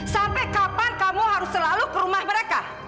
sampai kapan kamu harus selalu ke rumah mereka